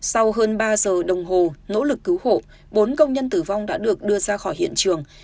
sau hơn ba giờ đồng hồ nỗ lực cứu hộ bốn công nhân tử vong đã được đưa ra khỏi hiện trường